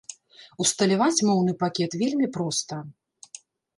Усталяваць моўны пакет вельмі проста.